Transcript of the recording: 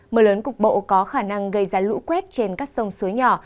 mưa lớn cục bộ có khả năng gây ra lũ quét trên các sông suối nhỏ